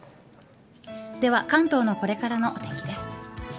では関東のこれからのお天気です。